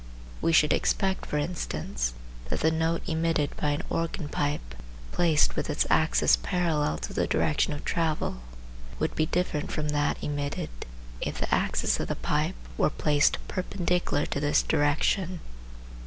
We should expect, for instance, that the note emitted by an organpipe placed with its axis parallel to the direction of travel would be different from that emitted if the axis of the pipe were placed perpendicular to this direction.